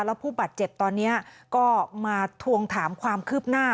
แล้วผู้บาดเจ็บตอนนี้ก็มาทวงถามความคืบหน้า